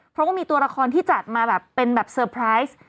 เพราะว่ามีตัวละครที่จัดมาแบบเป็นแบบเซอร์ไพรส์